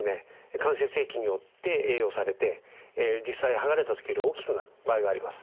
関節液によって栄養されて実際剥がれた時より大きくなる場合があります。